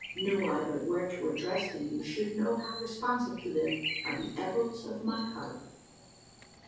Knew I but where to address thee, you should know how responsive to them are the echoes of my heart!